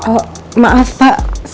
oh maaf pak